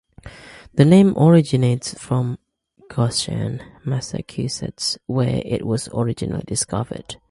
The name originates from Goshen, Massachusetts, where it was originally discovered.